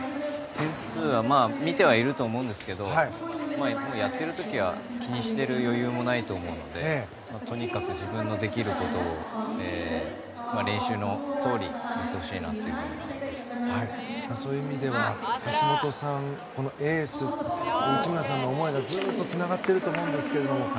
点数見てはいると思うんですけどやっている時は気にしている余裕もないと思うのでとにかく自分のできることを練習のとおりそういう意味では橋本さんエースの内村さんの思いがずっとつながっていると思うんですけども。